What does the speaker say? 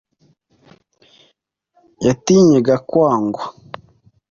yatinyaga kwangwa.